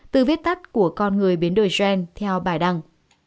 từ vết tắt của con người biến đổi gen theo bài đăng